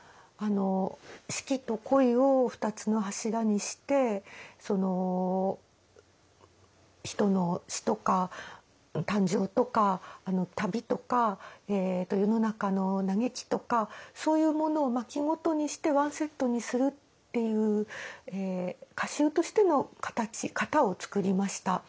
四季と恋を２つの柱にしてその人の詩とか感情とか旅とか世の中の嘆きとかそういうものを巻ごとにしてワンセットにするっていう歌集としての型を創りました。